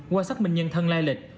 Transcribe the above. qua xác minh nhân thân lai lịch